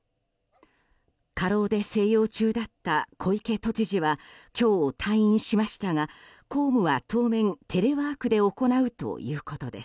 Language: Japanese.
過労で静養中だった小池都知事は今日、退院しましたが公務は当面、テレワークで行うということです。